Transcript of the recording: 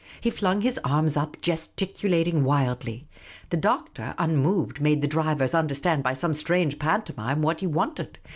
He flung his arms up, gesticulating wildly. The Doctor, unmoved, made the drivers understand by some strange pantomime what he wanted.